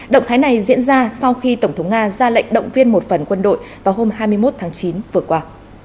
động thái này diễn ra sau khi tổng thống nga ra lệnh động viên một phần quân đội vào hôm hai mươi một tháng chín vừa qua